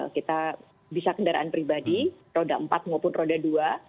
kita bisa kendaraan pribadi roda empat maupun roda dua